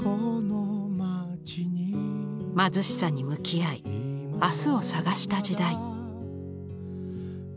貧しさに向き合い明日を探した時代。